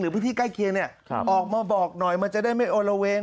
หรือพี่ใกล้เคียงเนี่ยออกมาบอกหน่อยมันจะได้ไม่โอระเวง